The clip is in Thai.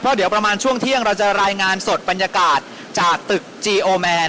เดี๋ยวประมาณช่วงเที่ยงเราจะรายงานสดบรรยากาศจากตึกจีโอแมน